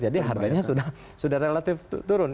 jadi harganya sudah relatif turun